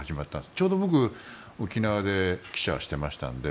ちょうど僕、沖縄で記者をしてましたので。